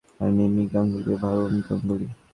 আমি মিম্মি গাঙ্গুলী, ও ভার্গব গাঙ্গুলী।